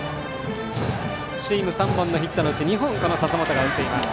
チーム３本のヒットのうち２本を笹本が打っています。